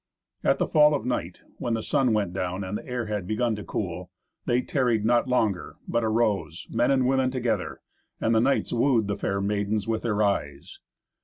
At the fall of night, when the sun went down and the air had begun to cool, they tarried not longer, but arose, men and women together, and the knights wooed the fair maidens with their eyes.